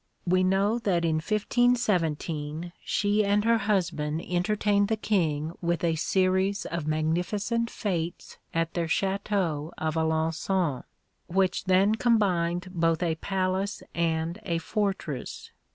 We know that in 1517 she and her husband entertained the King with a series of magnificent fêtes at their Château of Alençon, which then combined both a palace and a fortress.